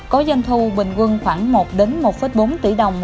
có doanh thu bình quân khoảng một đến một bốn tỷ đồng